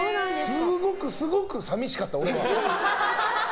すごく寂しかった、俺は。